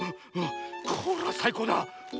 これはさいこうだ。